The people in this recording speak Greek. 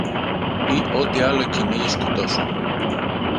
ή ό,τι άλλο κυνήγι σκοτώσω